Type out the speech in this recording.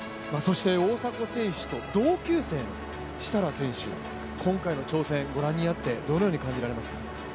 大迫選手と同級生の設楽選手、今回の挑戦、ご覧になってどのように感じられますか？